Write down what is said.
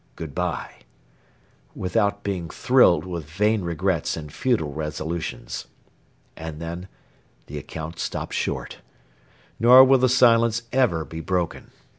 Good bye,' without being thrilled with vain regrets and futile resolutions. And then the account stops short. Nor will the silence ever be broken.